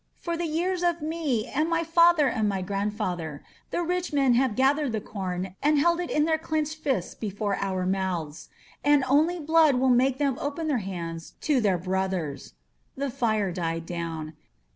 For the years of me, and my father and my grand* father, the rich men have gathered the com and held it in their clenched fists before our mouths* And only blood will make them open their hands to their brothers." The fire died down.